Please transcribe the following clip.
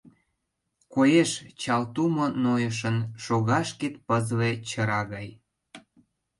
Коеш чал тумо нойышын, Шога шкет пызле чыра гай.